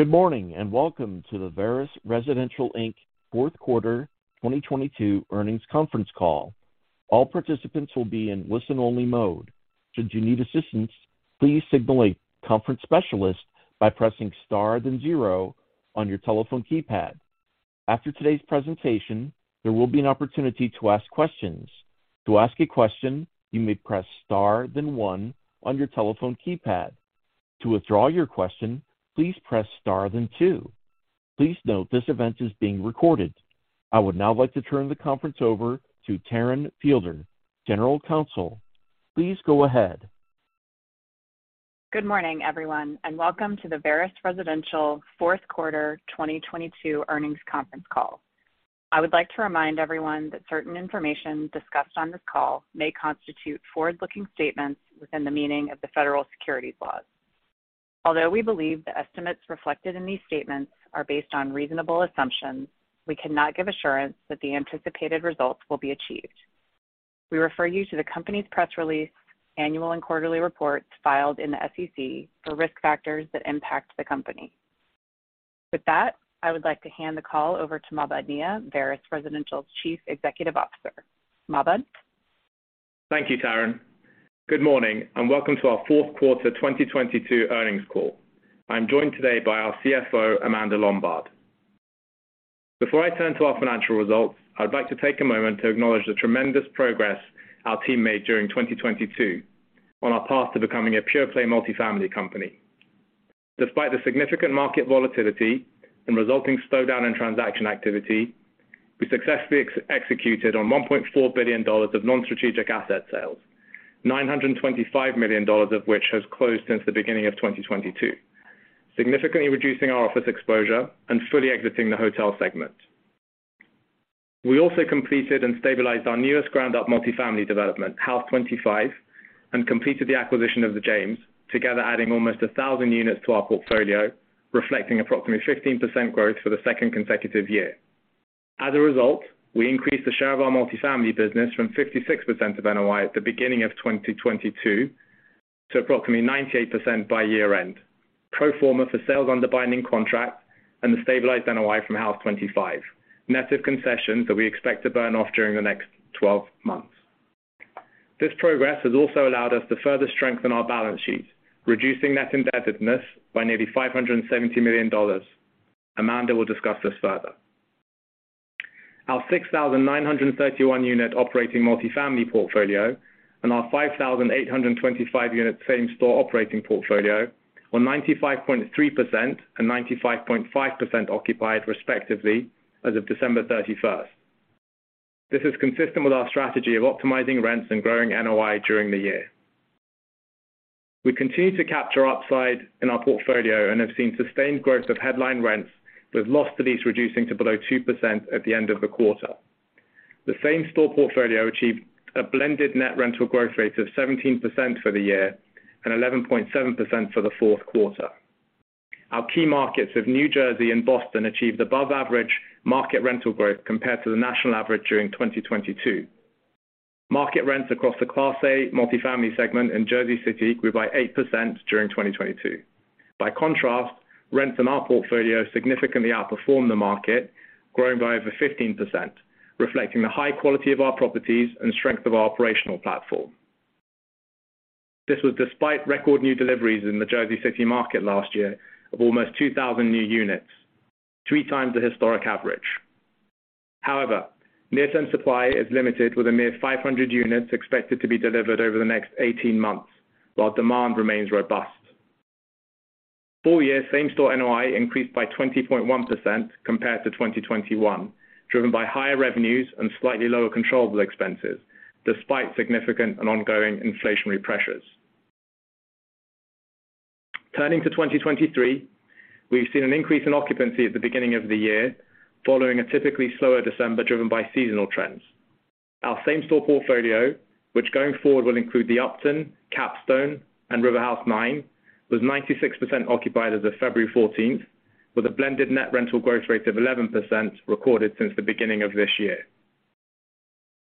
Good morning, welcome to the Veris Residential Inc. fourth quarter 2022 earnings conference call. All participants will be in listen-only mode. Should you need assistance, please signal a conference specialist by pressing Star, then 0 on your telephone keypad. After today's presentation, there will be an opportunity to ask questions. To ask a question, you may press Star, then 1 on your telephone keypad. To withdraw your question, please press Star, then 2. Please note this event is being recorded. I would now like to turn the conference over to Taryn Fielder, General Counsel. Please go ahead. Good morning, everyone, and welcome to the Veris Residential fourth quarter 2022 earnings conference call. I would like to remind everyone that certain information discussed on this call may constitute forward-looking statements within the meaning of the federal securities laws. Although we believe the estimates reflected in these statements are based on reasonable assumptions, we cannot give assurance that the anticipated results will be achieved. We refer you to the company's press release, annual and quarterly reports filed in the SEC for risk factors that impact the company. With that, I would like to hand the call over to Mahbod Nia, Veris Residential's Chief Executive Officer. Mahbod? Thank you, Taryn. Good morning, and welcome to our fourth quarter 2022 earnings call. I'm joined today by our CFO, Amanda Lombard. Before I turn to our financial results, I would like to take a moment to acknowledge the tremendous progress our team made during 2022 on our path to becoming a pure-play multifamily company. Despite the significant market volatility and resulting slowdown in transaction activity, we successfully executed on $1.4 billion of non-strategic asset sales, $925 million of which has closed since the beginning of 2022, significantly reducing our office exposure and fully exiting the hotel segment. We also completed and stabilized our newest ground-up multifamily development, Haus25, and completed the acquisition of The James, together adding almost 1,000 units to our portfolio, reflecting approximately 15% growth for the second consecutive year. As a result, we increased the share of our multifamily business from 56% of NOI at the beginning of 2022 to approximately 98% by year-end, pro forma for sales under binding contract and the stabilized NOI from Haus25, net of concessions that we expect to burn off during the next 12 months. This progress has also allowed us to further strengthen our balance sheet, reducing net indebtedness by nearly $570 million. Amanda will discuss this further. Our 6,931 unit operating multifamily portfolio and our 5,825 unit same store operating portfolio were 95.3% and 95.5% occupied respectively as of December 31st. This is consistent with our strategy of optimizing rents and growing NOI during the year. We continue to capture upside in our portfolio and have seen sustained growth of headline rents with loss to lease reducing to below 2% at the end of the quarter. The Same-Store portfolio achieved a blended net rental growth rate of 17% for the year and 11.7% for the 4th quarter. Our key markets of New Jersey and Boston achieved above average market rental growth compared to the national average during 2022. Market rents across the Class A multifamily segment in Jersey City grew by 8% during 2022. By contrast, rents in our portfolio significantly outperformed the market, growing by over 15%, reflecting the high quality of our properties and strength of our operational platform. This was despite record new deliveries in the Jersey City market last year of almost 2,000 new units, three times the historic average. Near-term supply is limited with a mere 500 units expected to be delivered over the next 18 months, while demand remains robust. 4-year Same-Store NOI increased by 20.1% compared to 2021, driven by higher revenues and slightly lower controllable expenses despite significant and ongoing inflationary pressures. Turning to 2023, we've seen an increase in occupancy at the beginning of the year following a typically slower December driven by seasonal trends. Our Same-Store portfolio, which going forward will include The Upton, Capstone, and RiverHouse 9, was 96% occupied as of February 14th, with a blended net rental growth rate of 11% recorded since the beginning of this year.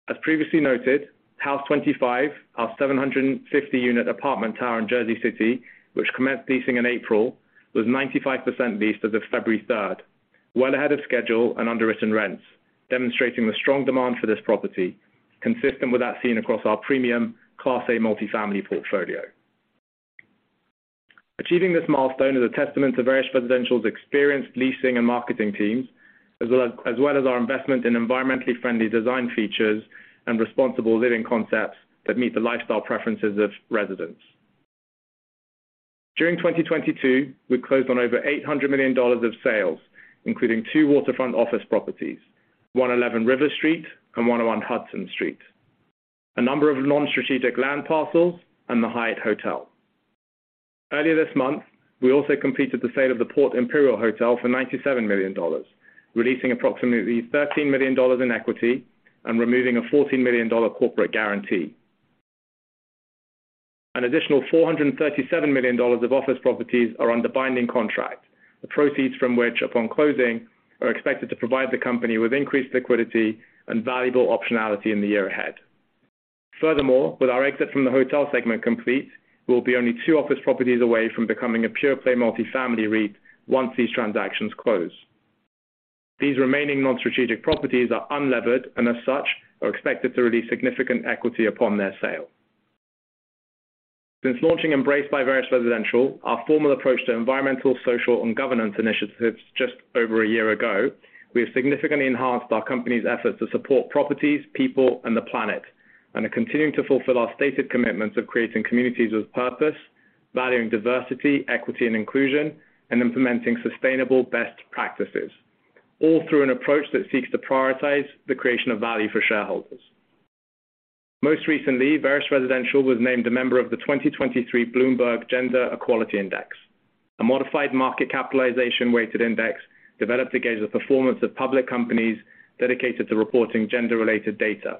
As previously noted, Haus25, our 750 unit apartment tower in Jersey City, which commenced leasing in April, was 95% leased as of February 3rd, well ahead of schedule and underwritten rents, demonstrating the strong demand for this property, consistent with that seen across our premium Class A multifamily portfolio. Achieving this milestone is a testament to Veris Residential's experienced leasing and marketing teams as well as our investment in environmentally friendly design features and responsible living concepts that meet the lifestyle preferences of residents. During 2022, we closed on over $800 million of sales, including two waterfront office properties, 111 River Street and 101 Hudson Street, a number of non-strategic land parcels, and the Hyatt Hotel. Earlier this month, we also completed the sale of the Port Imperial Hotel for $97 million, releasing approximately $13 million in equity and removing a $14 million corporate guarantee. An additional $437 million of office properties are under binding contract, the proceeds from which upon closing are expected to provide the company with increased liquidity and valuable optionality in the year ahead. With our exit from the hotel segment complete, we'll be only two office properties away from becoming a pure-play multifamily REIT once these transactions close. These remaining non-strategic properties are unlevered, and as such, are expected to release significant equity upon their sale. Since launching Embrace by Veris Residential, our formal approach to environmental, social, and governance initiatives just over a year ago, we have significantly enhanced our company's efforts to support properties, people, and the planet, and are continuing to fulfill our stated commitments of creating communities with purpose, valuing diversity, equity, and inclusion, and implementing sustainable best practices, all through an approach that seeks to prioritize the creation of value for shareholders. Most recently, Veris Residential was named a member of the 2023 Bloomberg Gender-Equality Index, a modified market capitalization weighted index developed to gauge the performance of public companies dedicated to reporting gender-related data.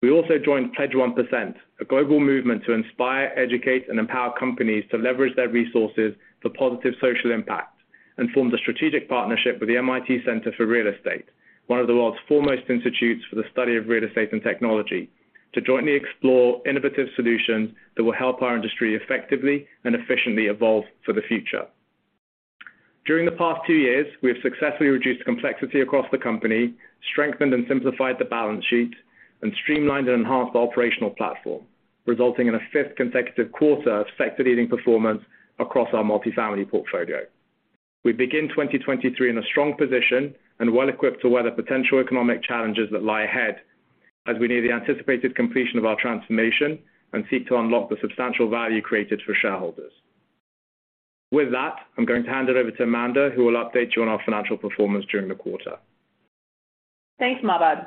We also joined Pledge 1%, a global movement to inspire, educate, and empower companies to leverage their resources for positive social impact, and formed a strategic partnership with the MIT Center for Real Estate, one of the world's foremost institutes for the study of real estate and technology, to jointly explore innovative solutions that will help our industry effectively and efficiently evolve for the future. During the past two years, we have successfully reduced complexity across the company, strengthened and simplified the balance sheet, and streamlined and enhanced the operational platform, resulting in a fifth consecutive quarter of sector leading performance across our multifamily portfolio. We begin 2023 in a strong position and well equipped to weather potential economic challenges that lie ahead as we near the anticipated completion of our transformation and seek to unlock the substantial value created for shareholders. With that, I'm going to hand it over to Amanda, who will update you on our financial performance during the quarter. Thanks, Mahbod.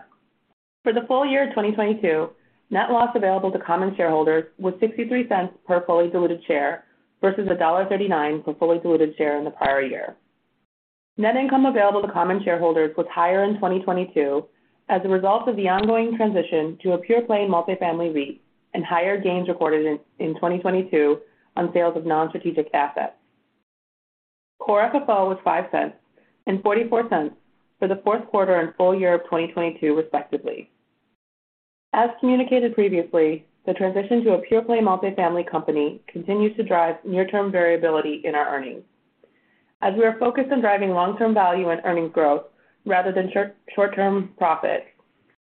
For the full year of 2022, net loss available to common shareholders was $0.63 per fully diluted share versus $1.39 for fully diluted share in the prior year. Net income available to common shareholders was higher in 2022 as a result of the ongoing transition to a pure-play multifamily REIT and higher gains recorded in 2022 on sales of non-strategic assets. Core FFO was $0.05 and $0.44 for the fourth quarter and full year of 2022, respectively. As communicated previously, the transition to a pure-play multifamily company continues to drive near-term variability in our earnings. As we are focused on driving long-term value and earnings growth rather than short-term profit,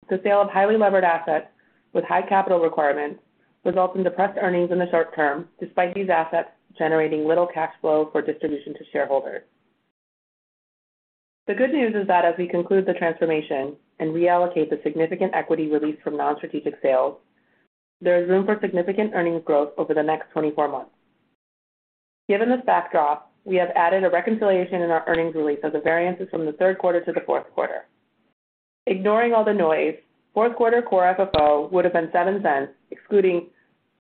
the sale of highly levered assets with high capital requirements results in depressed earnings in the short term, despite these assets generating little cash flow for distribution to shareholders. The good news is that as we conclude the transformation and reallocate the significant equity release from non-strategic sales, there is room for significant earnings growth over the next 24 months. Given this backdrop, we have added a reconciliation in our earnings release of the variances from the third quarter to the fourth quarter. Ignoring all the noise, fourth quarter Core FFO would have been $0.07, excluding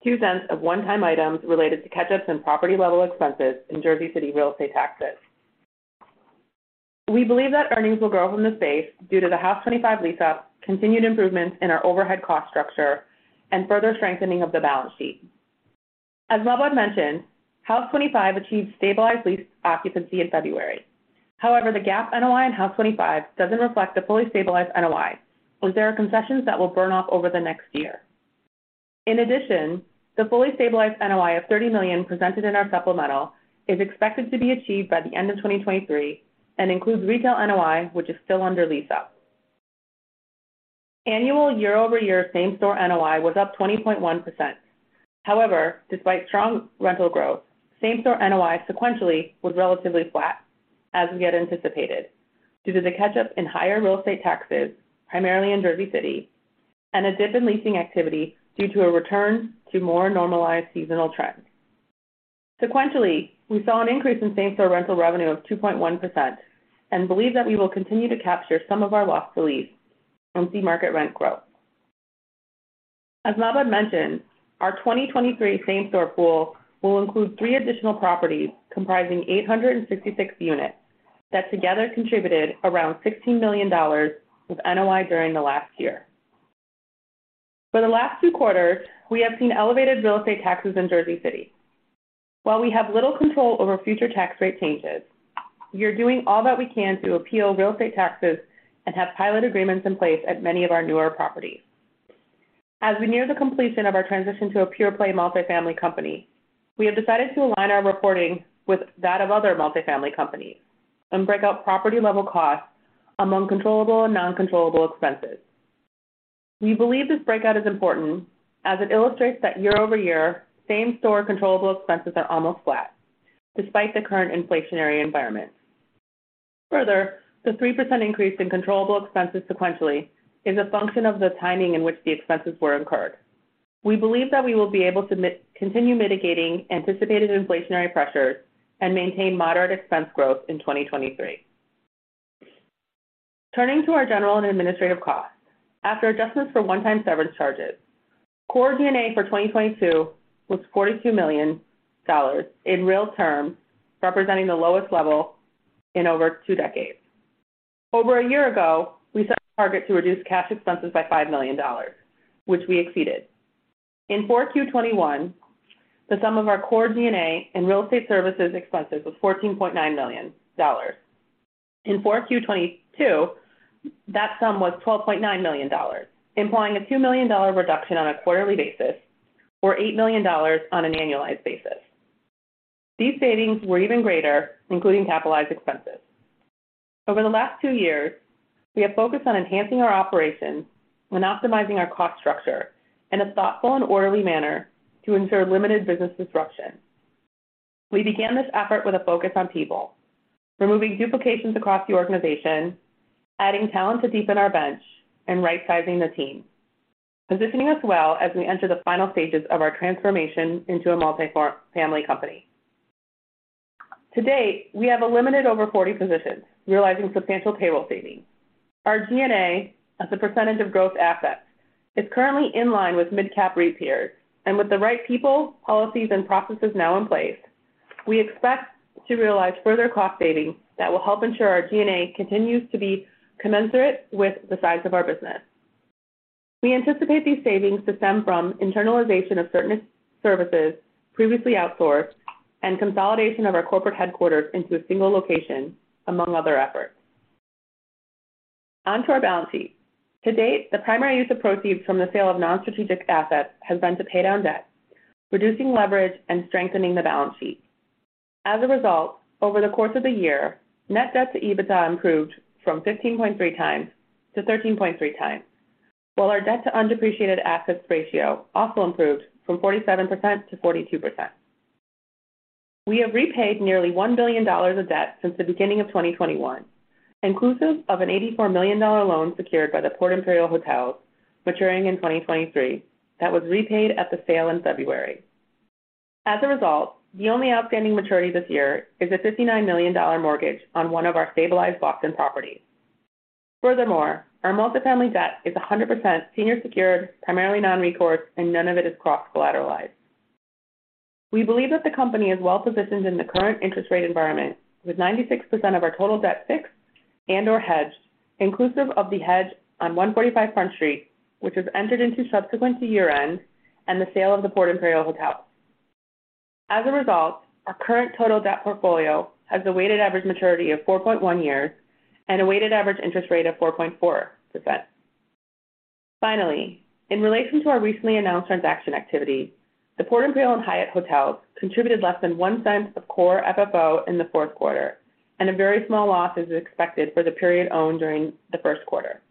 $0.02 of one-time items related to catch-ups and property-level expenses in Jersey City real estate taxes. We believe that earnings will grow from this base due to the Haus25 lease-up, continued improvements in our overhead cost structure, and further strengthening of the balance sheet. As Mahbod mentioned, Haus25 achieved stabilized lease occupancy in February. However, the GAAP NOI in Haus25 doesn't reflect the fully stabilized NOI, as there are concessions that will burn off over the next year. In addition, the fully stabilized NOI of $30 million presented in our supplemental is expected to be achieved by the end of 2023 and includes retail NOI, which is still under lease up. Annual year-over-year Same-Store NOI was up 20.1%. However, despite strong rental growth, Same-Store NOI sequentially was relatively flat, as we had anticipated, due to the catch-up in higher real estate taxes, primarily in Jersey City, and a dip in leasing activity due to a return to more normalized seasonal trends. Sequentially, we saw an increase in Same-Store rental revenue of 2.1% and believe that we will continue to capture some of our loss to lease and see market rent growth. As Mahbod mentioned, our 2023 Same-Store pool will include 3 additional properties comprising 866 units that together contributed around $16 million with NOI during the last year. For the last 2 quarters, we have seen elevated real estate taxes in Jersey City. While we have little control over future tax rate changes, we are doing all that we can to appeal real estate taxes and have PILOT agreements in place at many of our newer properties. As we near the completion of our transition to a pure-play multifamily company, we have decided to align our reporting with that of other multifamily companies and break out property-level costs among controllable and non-controllable expenses. We believe this breakout is important as it illustrates that year-over-year, Same-Store controllable expenses are almost flat despite the current inflationary environment. The 3% increase in controllable expenses sequentially is a function of the timing in which the expenses were incurred. We believe that we will be able to continue mitigating anticipated inflationary pressures and maintain moderate expense growth in 2023. Turning to our general and administrative costs. After adjustments for one-time severance charges, core G&A for 2022 was $42 million in real terms, representing the lowest level in over two decades. Over a year ago, we set a target to reduce cash expenses by $5 million, which we exceeded. In 4Q 2021, the sum of our core G&A and real estate services expenses was $14.9 million. In 4Q 2022, that sum was $12.9 million, implying a $2 million reduction on a quarterly basis or $8 million on an annualized basis. These savings were even greater, including capitalized expenses. Over the last two years, we have focused on enhancing our operations when optimizing our cost structure in a thoughtful and orderly manner to ensure limited business disruption. We began this effort with a focus on people, removing duplications across the organization, adding talent to deepen our bench, and right-sizing the team, positioning us well as we enter the final stages of our transformation into a multifamily company. To date, we have eliminated over 40 positions, realizing substantial payroll savings. Our G&A as a percentage of gross assets is currently in line with mid-cap REIT peers. With the right people, policies, and processes now in place, we expect to realize further cost savings that will help ensure our G&A continues to be commensurate with the size of our business. We anticipate these savings to stem from internalization of certain services previously outsourced and consolidation of our corporate headquarters into a single location, among other efforts. On to our balance sheet. To date, the primary use of proceeds from the sale of non-strategic assets has been to pay down debt, reducing leverage and strengthening the balance sheet. As a result, over the course of the year, Net Debt to EBITDA improved from 15.3x to 13.3x, while our debt to undepreciated assets ratio also improved from 47% to 42%. We have repaid nearly $1 billion of debt since the beginning of 2021, inclusive of an $84 million loan secured by the Port Imperial Hotel maturing in 2023 that was repaid at the sale in February. As a result, the only outstanding maturity this year is a $59 million mortgage on one of our stabilized Boston properties. Furthermore, our multifamily debt is 100% senior secured, primarily non-recourse, and none of it is cross-collateralized. We believe that the company is well positioned in the current interest rate environment, with 96% of our total debt fixed and/or hedged, inclusive of the hedge on 145 Front Street, which was entered into subsequent to year-end and the sale of the Port Imperial Hotel. As a result, our current total debt portfolio has a weighted average maturity of 4.1 years and a weighted average interest rate of 4.4%. Finally, in relation to our recently announced transaction activity, the Port Imperial and Hyatt Hotels contributed less than $0.01 of Core FFO in the fourth quarter, and a very small loss is expected for the period owned during the first quarter.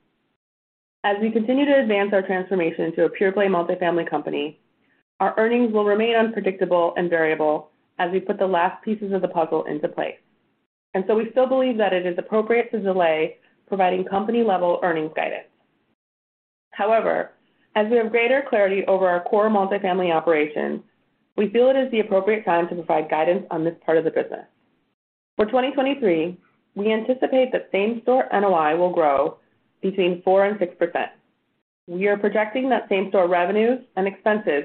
As we continue to advance our transformation to a pure-play multifamily company, our earnings will remain unpredictable and variable as we put the last pieces of the puzzle into place. So we still believe that it is appropriate to delay providing company-level earnings guidance. However, as we have greater clarity over our core multifamily operations, we feel it is the appropriate time to provide guidance on this part of the business. For 2023, we anticipate that Same-Store NOI will grow between 4% and 6%. We are projecting that Same-Store revenues and expenses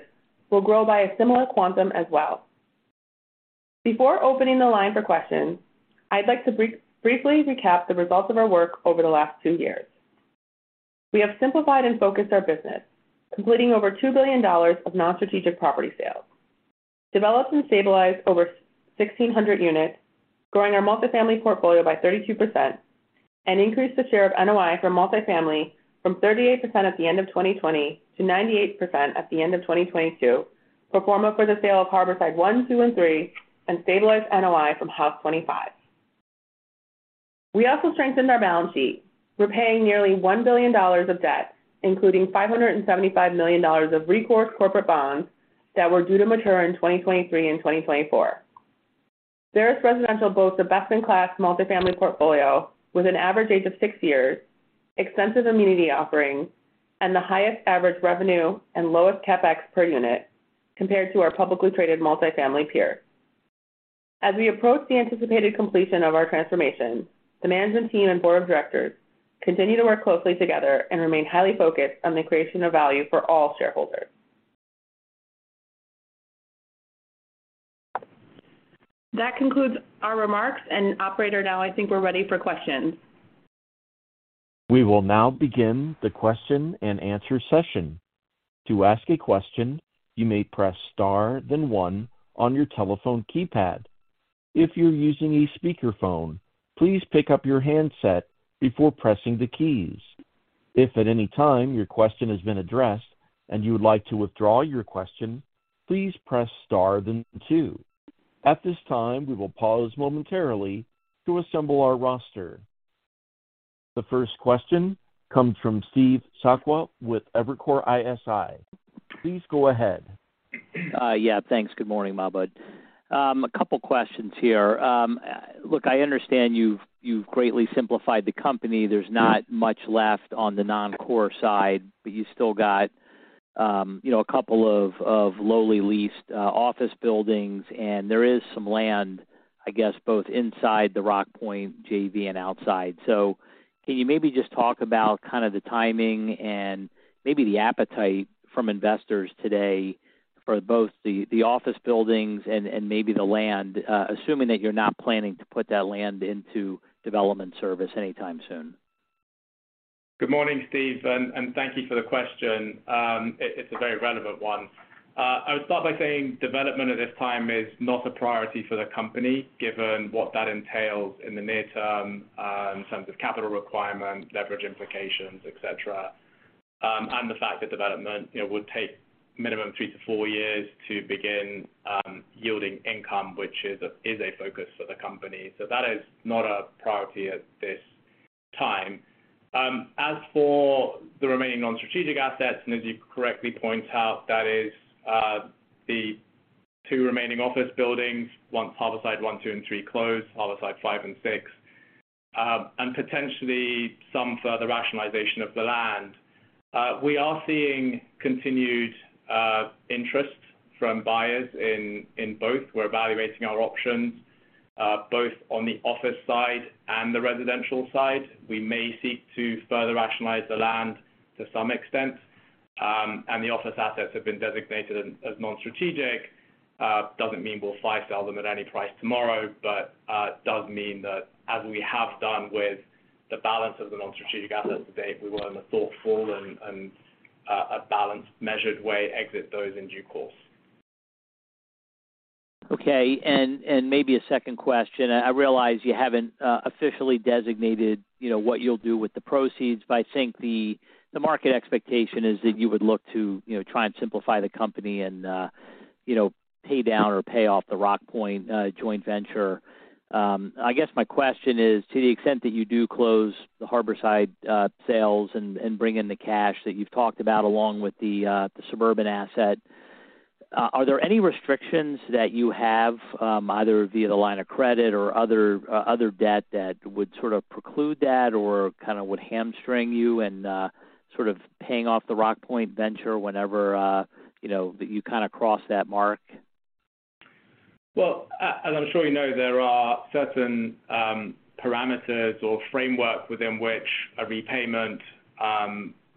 will grow by a similar quantum as well. Before opening the line for questions, I'd like to briefly recap the results of our work over the last two years. We have simplified and focused our business, completing over $2 billion of non-strategic property sales, developed and stabilized over 1,600 units, growing our multifamily portfolio by 32%, and increased the share of NOI from multifamily from 38% at the end of 2020 to 98% at the end of 2022, pro forma for the sale of Harborside One, Two, and Three, and stabilized NOI from Haus25. We also strengthened our balance sheet, repaying nearly $1 billion of debt, including $575 million of recourse corporate bonds that were due to mature in 2023 and 2024. Veris Residential boasts a best-in-class multifamily portfolio with an average age of 6 years, extensive amenity offerings, and the highest average revenue and lowest CapEx per unit compared to our publicly traded multifamily peers. As we approach the anticipated completion of our transformation, the management team and board of directors continue to work closely together and remain highly focused on the creation of value for all shareholders. That concludes our remarks. Operator, now I think we're ready for questions. We will now begin the question and answer session. To ask a question, you may press star then 1 on your telephone keypad. If you're using a speakerphone, please pick up your handset before pressing the keys. If at any time your question has been addressed and you would like to withdraw your question, please press star then 2. At this time, we will pause momentarily to assemble our roster. The first question comes from Steve Sakwa with Evercore ISI. Please go ahead. Yeah. Thanks. Good morning, Mahbod. A couple questions here. Look, I understand you've greatly simplified the company. There's not much left on the non-core side, but you still got, you know, a couple of lowly leased office buildings, and there is some land, I guess, both inside the Rockpoint JV and outside. Can you maybe just talk about kind of the timing and maybe the appetite from investors today for both the office buildings and maybe the land, assuming that you're not planning to put that land into development service anytime soon? Good morning, Steve Sakwa, thank you for the question. It's a very relevant one. I would start by saying development at this time is not a priority for the company, given what that entails in the near term, in terms of capital requirements, leverage implications, et cetera. The fact that development, you know, would take minimum 3 to 4 years to begin yielding income, which is a focus for the company. That is not a priority at this time. As for the remaining non-strategic assets, as you correctly point out, that is the 2 remaining office buildings, once Harborside 1, 2, and 3 close, Harborside 5 and 6, and potentially some further rationalization of the land. We are seeing continued interest from buyers in both. We're evaluating our options, both on the office side and the residential side. We may seek to further rationalize the land to some extent. The office assets have been designated as non-strategic. Doesn't mean we'll fire sale them at any price tomorrow. Does mean that as we have done with the balance of the non-strategic assets to date, we will in a thoughtful and a balanced, measured way exit those in due course. Okay. Maybe a second question. I realize you haven't officially designated, you know, what you'll do with the proceeds, but I think the market expectation is that you would look to, you know, try and simplify the company and, you know, pay down or pay off the Rockpoint joint venture. I guess my question is, to the extent that you do close the Harborside sales and bring in the cash that you've talked about along with the suburban asset, are there any restrictions that you have, either via the line of credit or other debt that would sort of preclude that or kind of would hamstring you in sort of paying off the Rockpoint venture whenever, you know, that you kind of cross that mark? As I'm sure you know, there are certain parameters or framework within which a repayment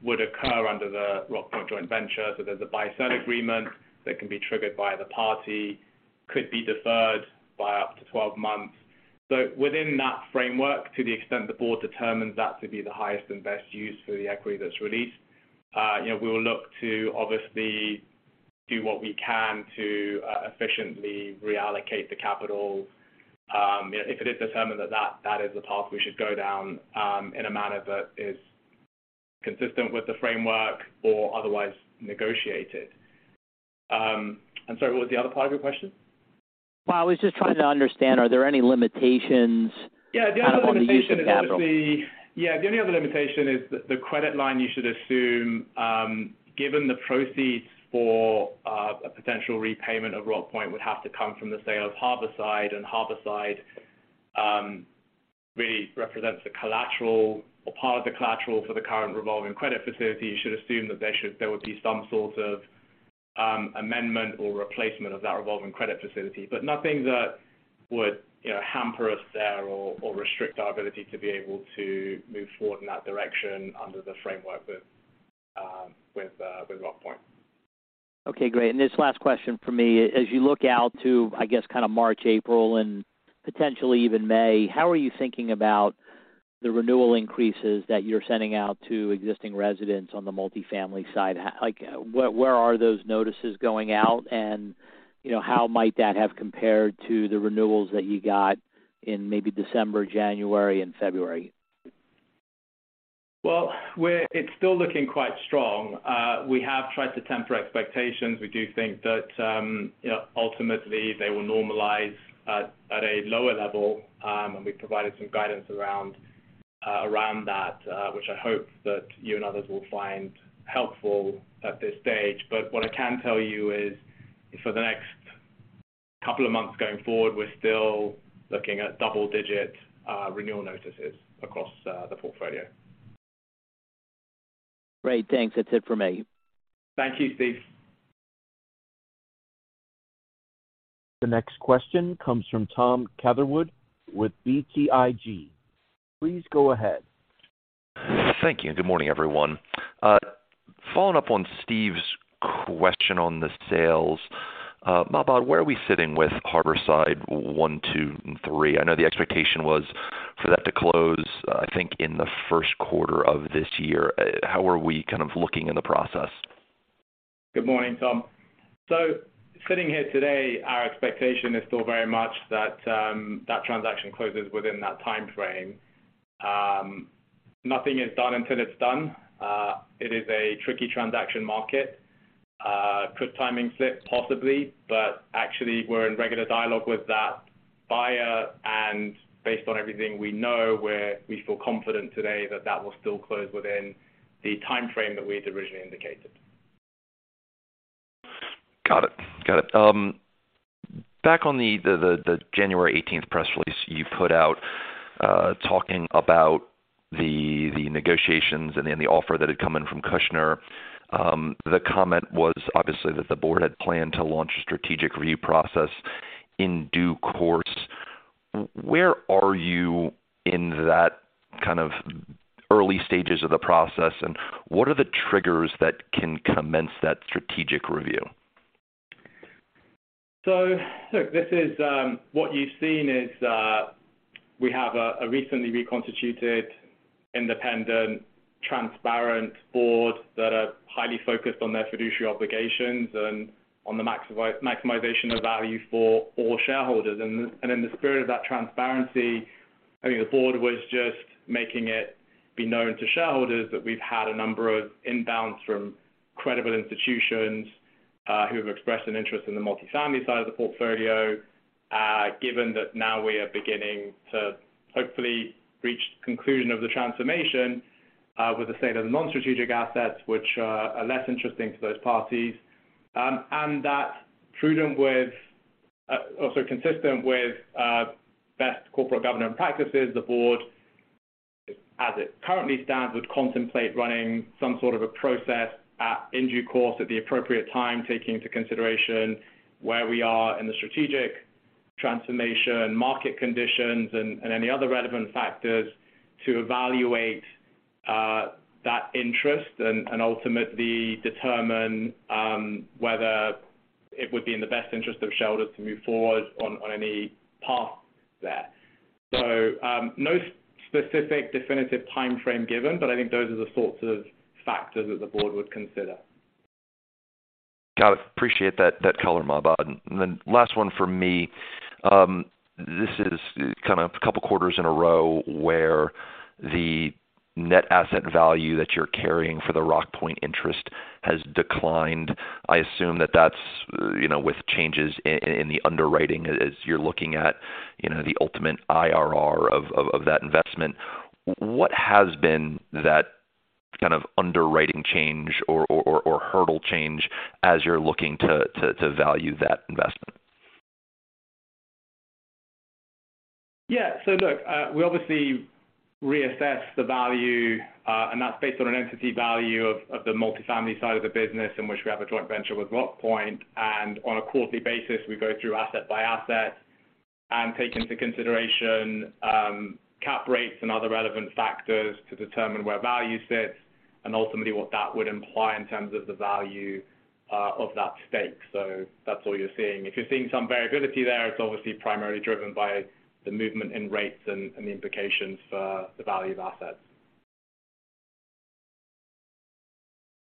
would occur under the Rockpoint joint venture. There's a buy-sell agreement that can be triggered by the party, could be deferred by up to 12 months. Within that framework, to the extent the board determines that to be the highest and best use for the equity that's released, you know, we will look to obviously do what we can to efficiently reallocate the capital, if it is determined that is the path we should go down, in a manner that is consistent with the framework or otherwise negotiated. I'm sorry, what was the other part of your question? I was just trying to understand, are there any limitations? Yeah, the only other limitation is. on the use of capital. The only other limitation is the credit line you should assume, given the proceeds for a potential repayment of Rockpoint would have to come from the sale of Harborside, and Harborside really represents the collateral or part of the collateral for the current revolving credit facility. You should assume that there would be some sort of amendment or replacement of that revolving credit facility, but nothing that would, you know, hamper us there or restrict our ability to be able to move forward in that direction under the framework with Rockpoint. Okay, great. This is the last question from me. As you look out to, I guess, kind of March, April, and potentially even May, how are you thinking about the renewal increases that you're sending out to existing residents on the multifamily side? Like where are those notices going out and, you know, how might that have compared to the renewals that you got in maybe December, January and February? Well, it's still looking quite strong. We have tried to temper expectations. We do think that, you know, ultimately they will normalize at a lower level. We provided some guidance around that, which I hope that you and others will find helpful at this stage. What I can tell you is for the next couple of months going forward, we're still looking at double-digit renewal notices across the portfolio. Great. Thanks. That's it for me. Thank you, Steve. The next question comes from Tom Catherwood with BTIG. Please go ahead. Thank you, and good morning, everyone. Following up on Steve's question on the sales, Mahbod, where are we sitting with Harborside 1, 2, and 3? I know the expectation was for that to close, I think in the first quarter of this year. How are we kind of looking in the process? Good morning, Tom. Sitting here today, our expectation is still very much that transaction closes within that timeframe. Nothing is done until it's done. It is a tricky transaction market. Could timing slip? Possibly. Actually we're in regular dialogue with that buyer, and based on everything we know, we feel confident today that that will still close within the timeframe that we had originally indicated. Got it. Got it. Back on the January 18th press release you put out, talking about the negotiations and then the offer that had come in from Kushner. The comment was obviously that the board had planned to launch a strategic review process in due course. Where are you in that kind of early stages of the process, and what are the triggers that can commence that strategic review? Look, this is, what you've seen is, we have a recently reconstituted, independent, transparent board that are highly focused on their fiduciary obligations and on the maximization of value for all shareholders. In the spirit of that transparency, I think the board was just making it be known to shareholders that we've had a number of inbounds from credible institutions, who have expressed an interest in the multifamily side of the portfolio, given that now we are beginning to hopefully reach conclusion of the transformation, with the state of the non-strategic assets, which are less interesting to those parties. Also consistent with best corporate governance practices, the board, as it currently stands, would contemplate running some sort of a process in due course at the appropriate time, taking into consideration where we are in the strategic transformation, market conditions, and any other relevant factors to evaluate that interest and ultimately determine whether it would be in the best interest of shareholders to move forward on any path there. No specific definitive timeframe given, but I think those are the sorts of factors that the board would consider. Got it. Appreciate that color, Mahbod. Last one for me. This is kind of a couple quarters in a row where the net asset value that you're carrying for the Rockpoint interest has declined. I assume that that's, you know, with changes in the underwriting as you're looking at, you know, the ultimate IRR of that investment. What has been that kind of underwriting change or hurdle change as you're looking to value that investment? Look, we obviously reassess the value, and that's based on an entity value of the multifamily side of the business in which we have a joint venture with Rockpoint. On a quarterly basis, we go through asset by asset and take into consideration, cap rates and other relevant factors to determine where value sits and ultimately what that would imply in terms of the value of that stake. That's all you're seeing. If you're seeing some variability there, it's obviously primarily driven by the movement in rates and the implications for the value of assets.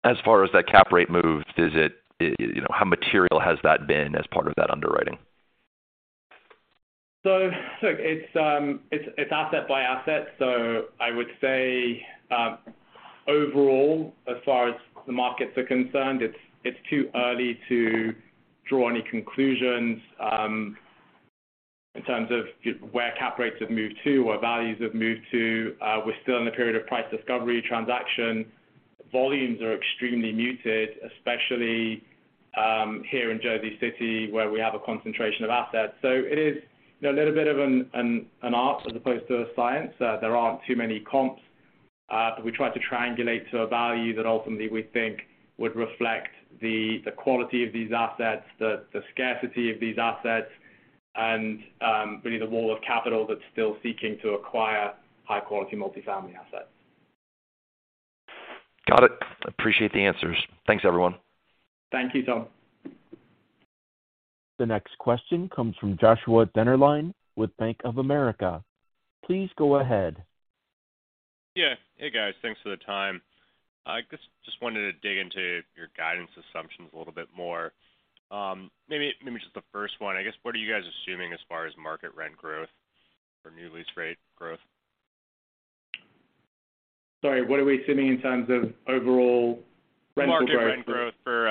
As far as that cap rate moves, is it, you know, how material has that been as part of that underwriting? Look, it's asset by asset. I would say, overall, as far as the markets are concerned, it's too early to draw any conclusions in terms of where cap rates have moved to, where values have moved to. We're still in the period of price discovery, transaction. Volumes are extremely muted, especially here in Jersey City where we have a concentration of assets. It is, you know, a little bit of an art as opposed to a science. There aren't too many comps, but we try to triangulate to a value that ultimately we think would reflect the quality of these assets, the scarcity of these assets and really the wall of capital that's still seeking to acquire high quality multifamily assets. Got it. Appreciate the answers. Thanks, everyone. Thank you, Tom. The next question comes from Joshua Dennerlein with Bank of America. Please go ahead. Yeah. Hey, guys. Thanks for the time. I guess just wanted to dig into your guidance assumptions a little bit more. Maybe just the first one, I guess, what are you guys assuming as far as market rent growth or new lease rate growth? Sorry, what are we assuming in terms of overall rental growth? Market rent growth for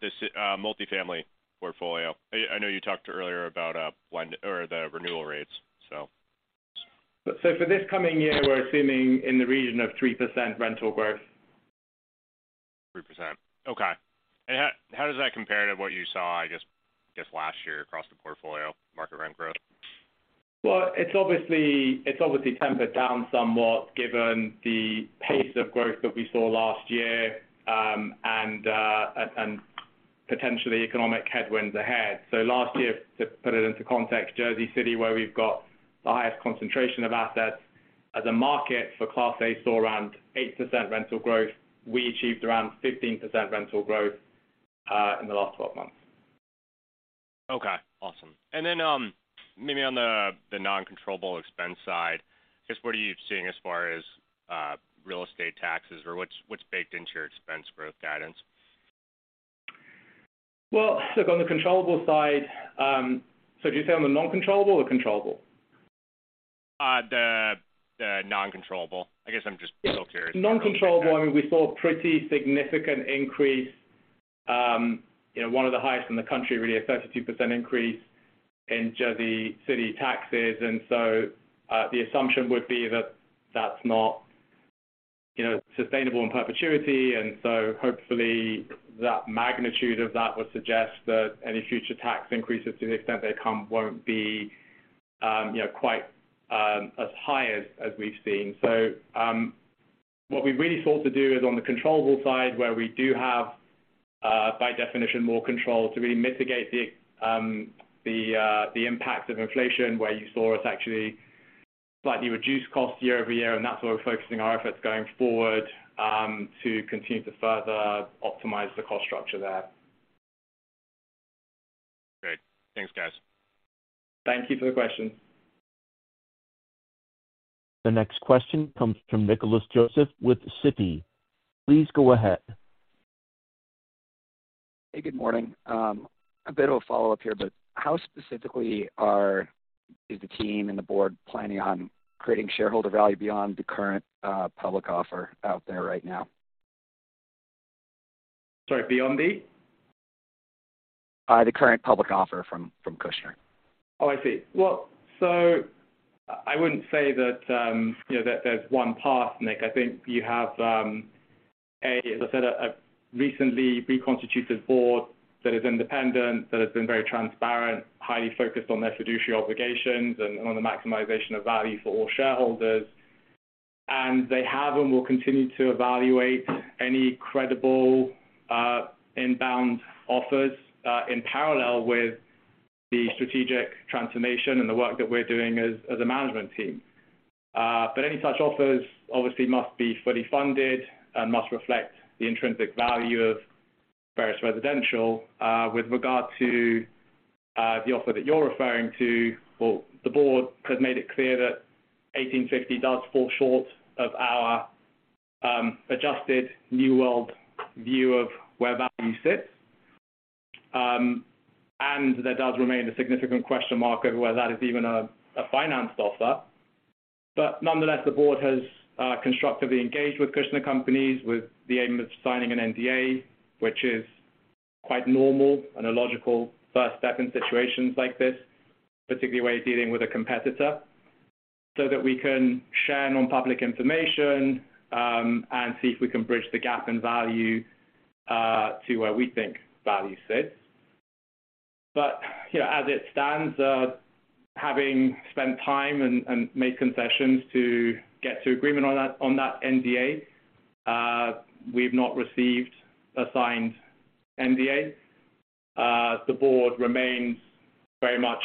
the multifamily portfolio. I know you talked earlier about lend or the renewal rates. For this coming year, we're assuming in the region of 3% rental growth. 3%. Okay. How does that compare to what you saw, I guess, just last year across the portfolio market rent growth? Well, it's obviously tempered down somewhat given the pace of growth that we saw last year, and potentially economic headwinds ahead. Last year, to put it into context, Jersey City, where we've got the highest concentration of assets as a market for Class A saw around 8% rental growth. We achieved around 15% rental growth in the last 12 months. Okay, awesome. Maybe on the non-controllable expense side, just what are you seeing as far as, real estate taxes or what's baked into your expense growth guidance? Look, on the controllable side, did you say on the non-controllable or controllable? The non-controllable. I guess I'm just still curious. Non-controllable, I mean, we saw a pretty significant increase, you know, one of the highest in the country, really a 32% increase in Jersey City taxes. The assumption would be that that's not, you know, sustainable in perpetuity. Hopefully that magnitude of that would suggest that any future tax increases to the extent they come won't be, you know, quite as high as we've seen. What we really sought to do is on the controllable side, where we do have, by definition, more control to really mitigate the impact of inflation, where you saw us actually Slightly reduced costs year-over-year, and that's where we're focusing our efforts going forward, to continue to further optimize the cost structure there. Great. Thanks, guys. Thank you for the question. The next question comes from Nick Joseph with Citi. Please go ahead. Hey, good morning. A bit of a follow-up here, how specifically is the team and the board planning on creating shareholder value beyond the current, public offer out there right now? Sorry, beyond the? The current public offer from Kushner. Oh, I see. I wouldn't say that, you know, that there's one path, Nick. I think you have, A, as I said, a recently reconstituted board that is independent, that has been very transparent, highly focused on their fiduciary obligations and on the maximization of value for all shareholders. They have and will continue to evaluate any credible inbound offers in parallel with the strategic transformation and the work that we're doing as a management team. Any such offers obviously must be fully funded and must reflect the intrinsic value of Veris Residential. With regard to the offer that you're referring to, the board has made it clear that $18.50 does fall short of our adjusted new world view of where value sits. There does remain a significant question mark over whether that is even a financed offer. Nonetheless, the board has constructively engaged with Kushner Companies with the aim of signing an NDA, which is quite normal and a logical first step in situations like this, particularly where you're dealing with a competitor, so that we can share non-public information and see if we can bridge the gap in value to where we think value sits. You know, as it stands, having spent time and made concessions to get to agreement on that NDA, we've not received a signed NDA. The board remains very much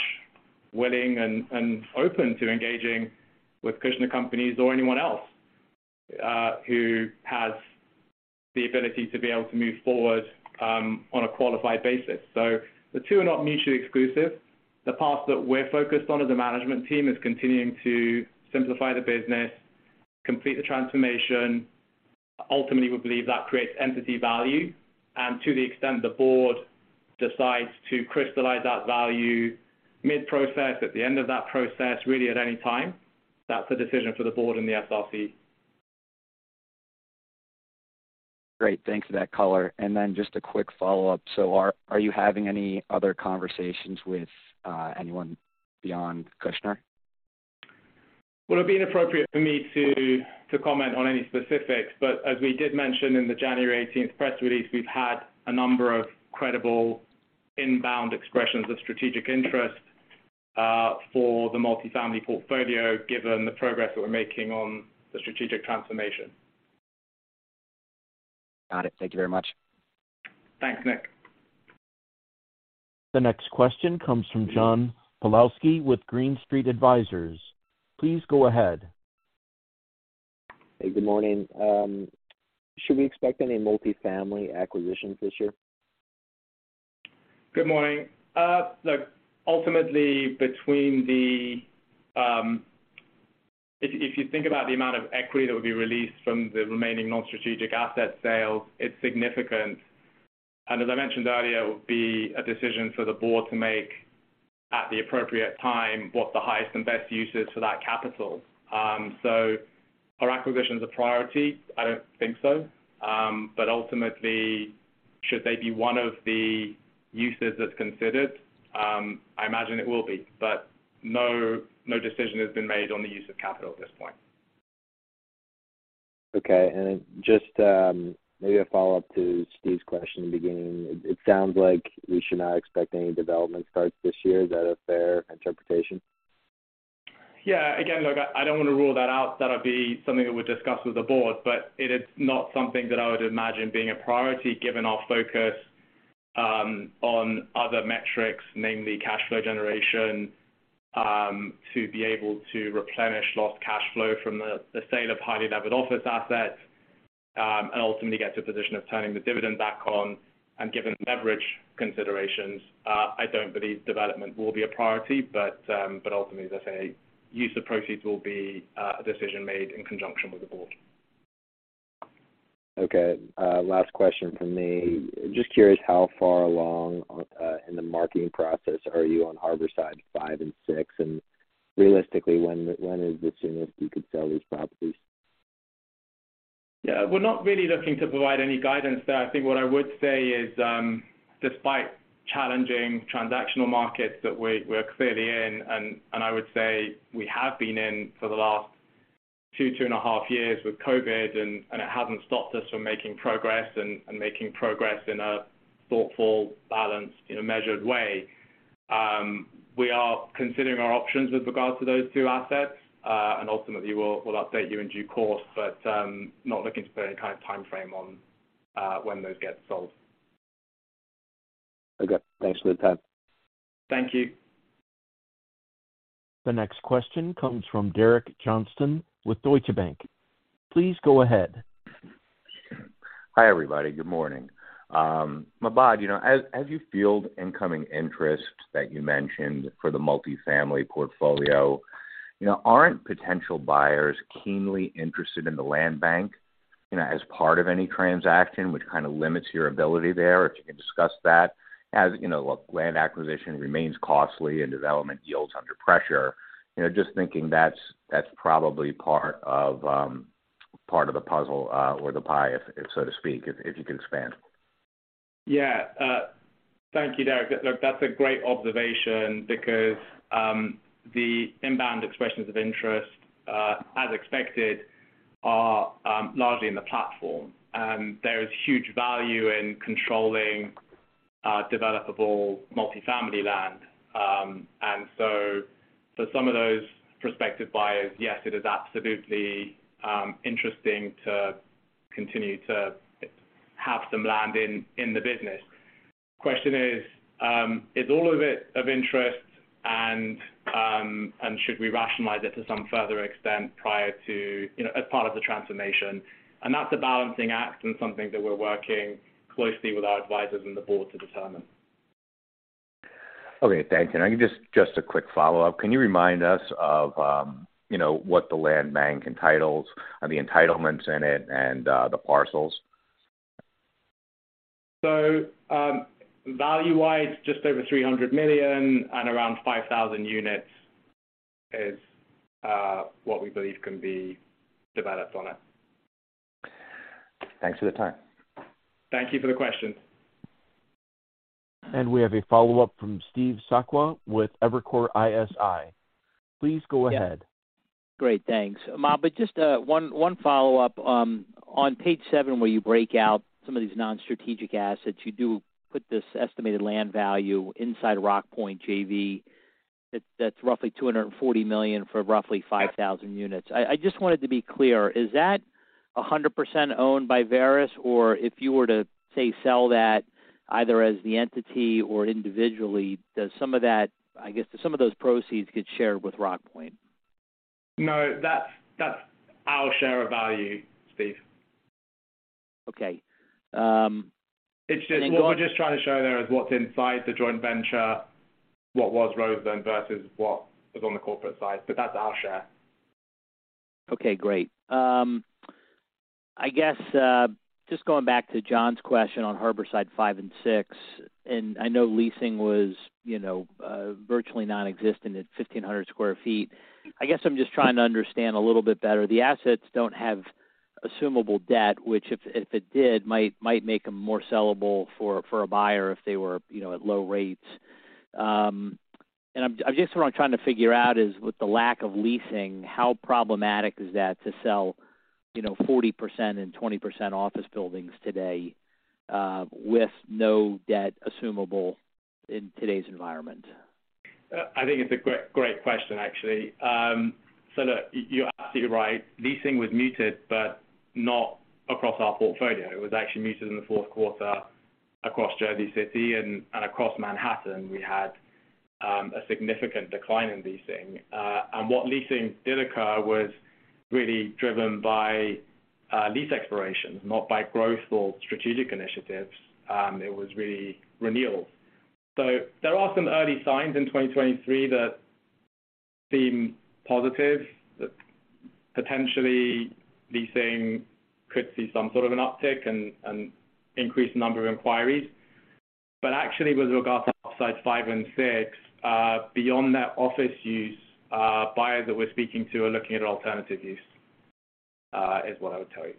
willing and open to engaging with Kushner Companies or anyone else who has the ability to be able to move forward on a qualified basis. The two are not mutually exclusive. The path that we're focused on as a management team is continuing to simplify the business, complete the transformation. Ultimately, we believe that creates entity value. To the extent the board decides to crystallize that value mid-process, at the end of that process, really at any time, that's a decision for the board and the SRC. Great. Thanks for that color. Just a quick follow-up. Are you having any other conversations with anyone beyond Kushner? Well, it would be inappropriate for me to comment on any specifics. As we did mention in the January 18th press release, we've had a number of credible inbound expressions of strategic interest for the multifamily portfolio, given the progress that we're making on the strategic transformation. Got it. Thank you very much. Thanks, Nick. The next question comes from John Pawlowski with Green Street Advisors. Please go ahead. Hey, good morning. Should we expect any multifamily acquisitions this year? Good morning. Look, ultimately, If you think about the amount of equity that would be released from the remaining non-strategic asset sales, it's significant. As I mentioned earlier, it would be a decision for the Board to make at the appropriate time what the highest and best use is for that capital. Are acquisitions a priority? I don't think so. Ultimately, should they be one of the uses that's considered, I imagine it will be. No decision has been made on the use of capital at this point. Okay. Just, maybe a follow-up to Steve's question in the beginning. It sounds like we should not expect any development starts this year. Is that a fair interpretation? Yeah. Again, look, I don't want to rule that out. That'd be something that we'll discuss with the Board, but it is not something that I would imagine being a priority given our focus, on other metrics, namely cash flow generation, to be able to replenish lost cash flow from the sale of highly levered office assets, and ultimately get to a position of turning the dividend back on. Given leverage considerations, I don't believe development will be a priority. Ultimately, as I say, use of proceeds will be a decision made in conjunction with the Board. Okay. Last question from me. Just curious how far along in the marketing process are you on Harborside five and six? realistically, when is the soonest you could sell these properties? Yeah. We're not really looking to provide any guidance there. I think what I would say is, despite challenging transactional markets that we're clearly in, I would say we have been in for the last 2 and a half years with COVID. It hasn't stopped us from making progress and making progress in a thoughtful, balanced, in a measured way. We are considering our options with regards to those 2 assets. Ultimately we'll update you in due course, not looking to put any kind of timeframe on when those get sold. Okay. Thanks for the time. Thank you. The next question comes from Derek Johnston with Deutsche Bank. Please go ahead. Hi, everybody. Good morning. Mahbod, you know, as you field incoming interest that you mentioned for the multifamily portfolio, you know, aren't potential buyers keenly interested in the land bank, you know, as part of any transaction which kind of limits your ability there? If you can discuss that. As you know, land acquisition remains costly and development yields under pressure. You know, just thinking that's probably part of the puzzle, or the pie if so to speak, if you could expand. Yeah. Thank you, Derek. Look, that's a great observation because the inbound expressions of interest, as expected are largely in the platform. There is huge value in controlling developable multifamily land. For some of those prospective buyers, yes, it is absolutely interesting to continue to have some land in the business. Question is all of it of interest and should we rationalize it to some further extent prior to, you know, as part of the transformation? That's a balancing act and something that we're working closely with our advisors and the board to determine. Okay, thanks. Just a quick follow-up. Can you remind us of, you know, what the land bank entitles or the entitlements in it and the parcels? Value-wise, just over $300 million and around 5,000 units is what we believe can be developed on it. Thanks for the time. Thank you for the question. We have a follow-up from Steve Sakwa with Evercore ISI. Please go ahead. Great. Thanks. Mahbod, just one follow-up. On page seven, where you break out some of these non-strategic assets, you do put this estimated land value inside Rockpoint JV. That's roughly $240 million for roughly 5,000 units. I just wanted to be clear. Is that 100% owned by Veris? Or if you were to, say, sell that either as the entity or individually, I guess some of those proceeds get shared with Rockpoint. No, that's our share of value, Steve. Okay. What we're just trying to show there is what's inside the joint venture, what was Roseland versus what was on the corporate side, that's our share. Okay, great. I guess, just going back to John's question on Harborside 5 and 6, I know leasing was, you know, virtually nonexistent at 1,500 sq ft. I guess I'm just trying to understand a little bit better. The assets don't have assumable debt, which if it did, might make them more sellable for a buyer if they were, you know, at low rates. I'm just sort of trying to figure out is with the lack of leasing, how problematic is that to sell, you know, 40% and 20% office buildings today, with no debt assumable in today's environment? I think it's a great question, actually. Look, you're absolutely right. Leasing was muted, but not across our portfolio. It was actually muted in the fourth quarter across Jersey City and across Manhattan. We had a significant decline in leasing. What leasing did occur was really driven by lease expirations, not by growth or strategic initiatives. It was really renewals. There are some early signs in 2023 that seem positive, that potentially leasing could see some sort of an uptick and increased number of inquiries. Actually with regards to Harborside 5 and 6, beyond that office use, buyers that we're speaking to are looking at alternative use, is what I would tell you.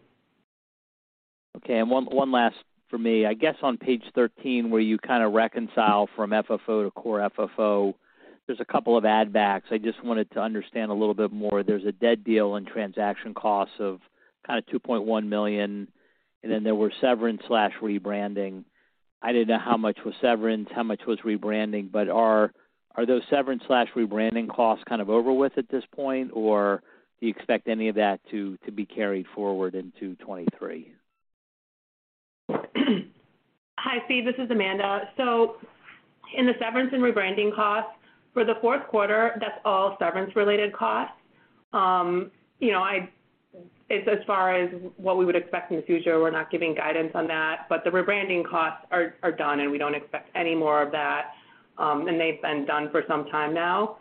Okay. One last for me. I guess on page 13 where you kinda reconcile from FFO to Core FFO, there's a couple of add backs. I just wanted to understand a little bit more. There's a dead deal in transaction costs of kinda $2.1 million, and then there were severance/rebranding. I didn't know how much was severance, how much was rebranding. Are those severance/rebranding costs kind of over with at this point? Or do you expect any of that to be carried forward into 2023? Hi, Steve, this is Amanda. In the severance and rebranding costs, for the fourth quarter, that's all severance related costs. You know, as far as what we would expect in the future, we're not giving guidance on that, but the rebranding costs are done, and we don't expect any more of that. They've been done for some time now.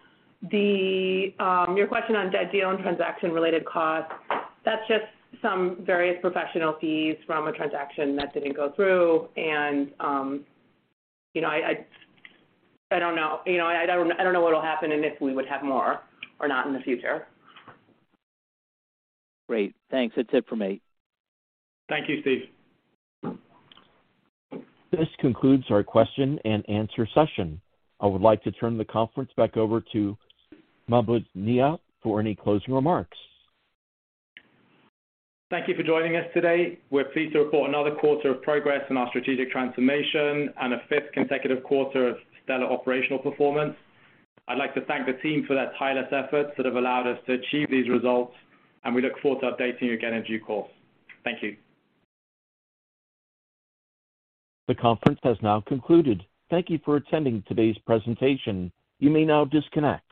The, your question on dead deal and transaction related costs, that's just some various professional fees from a transaction that didn't go through. You know, I don't know. You know, I don't know what'll happen and if we would have more or not in the future. Great. Thanks. That's it for me. Thank you, Steve. This concludes our question and answer session. I would like to turn the conference back over to Mahbod Nia for any closing remarks. Thank you for joining us today. We're pleased to report another quarter of progress in our strategic transformation and a fifth consecutive quarter of stellar operational performance. I'd like to thank the team for their tireless efforts that have allowed us to achieve these results, and we look forward to updating you again in due course. Thank you. The conference has now concluded. Thank you for attending today's presentation. You may now disconnect.